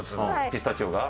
ピスタチオが？